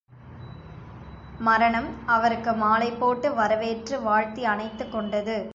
மரணம் அவருக்கு மாலை போட்டு வரவேற்று வாழ்த்தி அணைத்துக் கொண்டது.